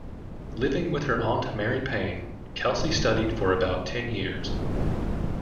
Living with her aunt Mary Paine, Kelsey studied for about ten years.